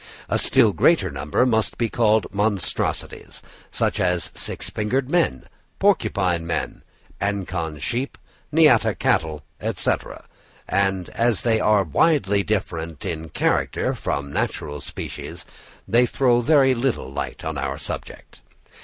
A still greater number must be called monstrosities, such as six fingered men, porcupine men, Ancon sheep, Niata cattle, &c. and as they are widely different in character from natural species, they throw very little light on our subject.